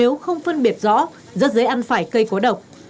nếu không phân biệt rõ rất dễ ăn phải cây cố độc